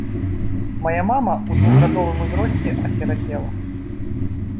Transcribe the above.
Мая мама ў двухгадовым узросце асірацела.